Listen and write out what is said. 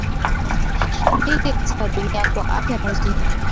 Nili katika dunia, kwa afya na uzima